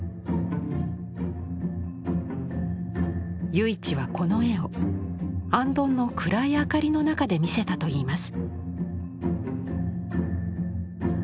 由一はこの絵をあんどんの暗い明かりの中で見せたといいます。